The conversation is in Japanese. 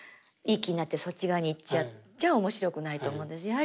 いい気になってそっち側に行っちゃっちゃあ面白くないと思うんです。